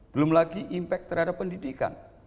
belum lagi impact terhadap pendidikan